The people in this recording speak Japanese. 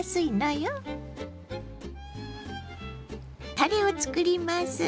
たれをつくります。